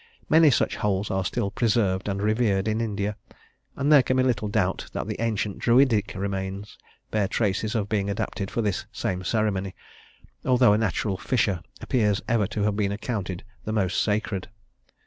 Many such holes are still preserved and revered in India, and there can be little doubt that the ancient Druidic remains bear traces of being adapted for this same ceremony, although a natural fissure appears ever to have been accounted the most sacred.